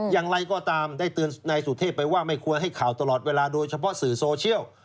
อย่างไรก็ตามได้เตือนนายสุเทพไปว่าไม่ควรให้ข่าวตลอดเวลาโดยเฉพาะสื่อโซเชียล